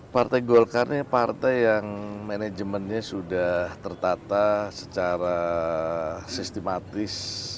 partai golkarnya partai yang manajemennya sudah tertata secara sistematis